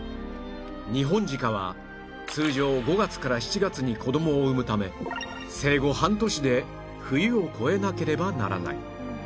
ニホンジカは通常５月から７月に子供を産むため生後半年で冬を越えなければならない